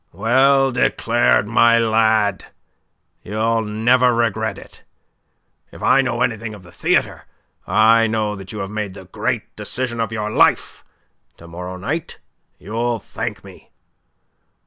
"Well declared, my lad. You'll never regret it. If I know anything of the theatre, I know that you have made the great decision of your life. To morrow night you'll thank me."